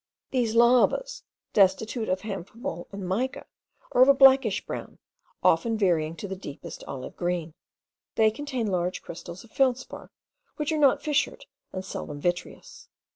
These lavas, destitute of amphibole and mica, are of a blackish brown, often varying to the deepest olive green. They contain large crystals of feldspar, which are not fissured, and seldom vitreous.